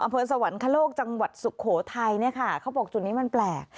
อำเภอสวรรคโลกจังหวัดสุโขทัยเนี่ยค่ะเขาบอกจุดนี้มันแปลก